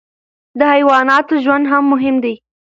د حیواناتو ژوند هم مهم دی.